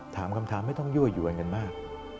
ถามคำถามไม่ต้องยั่วยวนกันมาก